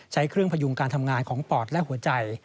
ใช้เครื่องพยุงการทำงานของปอดและหัวใจ